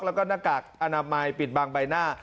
แล้วก็หน้ากากอนามัยปิดบางใบหน้า